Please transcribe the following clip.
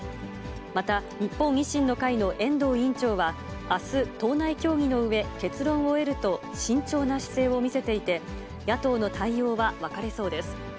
また、日本維新の会の遠藤委員長はあす、党内協議のうえ、結論を得ると、慎重な姿勢を見せていて、野党の対応は分かれそうです。